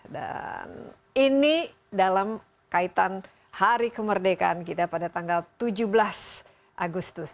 dan ini dalam kaitan hari kemerdekaan kita pada tanggal tujuh belas agustus